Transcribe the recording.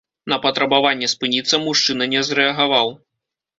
На патрабаванне спыніцца мужчына не зрэагаваў.